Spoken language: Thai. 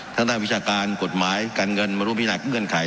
ทางด้านวิชาการกฎหมายการเงินมาร่วมพิหนักเงื่อนไข